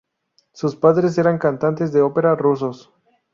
Sus padres eran cantantes de ópera rusos.